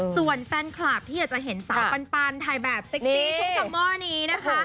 เป็นแฟนคลับที่อยากจะเห็นสาวปันปันถ่ายแบบเซ็กซี่ชุดสัมมอร์นี้นะคะ